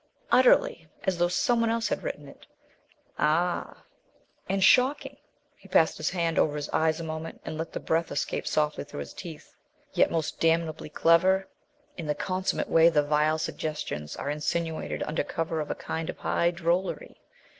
"Utterly! As though some one else had written it " "Ah!" "And shocking!" He passed his hand over his eyes a moment and let the breath escape softly through his teeth. "Yet most damnably clever in the consummate way the vile suggestions are insinuated under cover of a kind of high drollery.